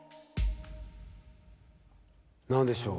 何でしょう？